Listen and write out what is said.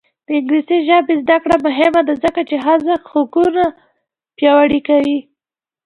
د انګلیسي ژبې زده کړه مهمه ده ځکه چې ښځو حقونه پیاوړي کوي.